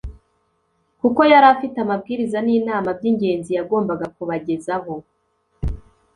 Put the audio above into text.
kuko yari afite amabwiriza n’inama by’ingenzi yagombaga kubagezaho